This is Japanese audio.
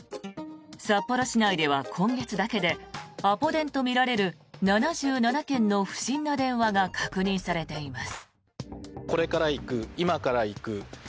札幌市内では今月だけでアポ電とみられる７７件の不審な電話が確認されています。